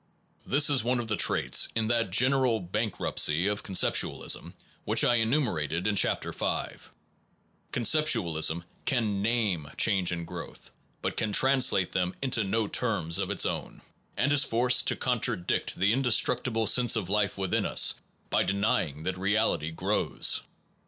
This is one of the traits in that general bank ruptcy of conceptualism, which I enumerated in Chapter V conceptualism can name change and growth, but can translate them into no terms of its own, and is forced to con tradict the indestructible sense of life within us by denying that reality grows.